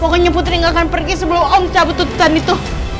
pokoknya putri gak akan pergi sebelum om cabut tututan itu